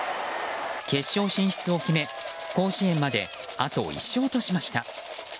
決勝進出を決め、甲子園まであと１勝としました。